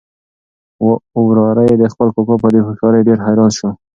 وراره یې د خپل کاکا په دې هوښیارۍ ډېر حیران شو.